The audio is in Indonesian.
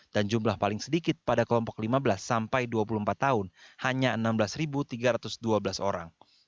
dan jumlah paling sedikit pada kelompok lima belas sampai dua puluh empat tahun hanya enam belas tiga ratus dua belas orang